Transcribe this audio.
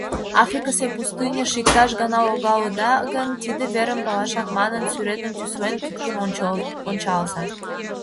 Африкысе пустыньыш иктаж гана логалыда гын, тиде верым палашак манын, сӱретым тӱслен, тӱткын ончалза.